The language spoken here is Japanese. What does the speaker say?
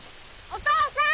お父さん！